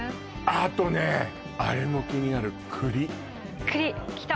あとねあれも気になるくりくりきた！